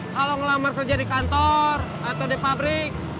kalau ngelamar kerja di kantor atau di pabrik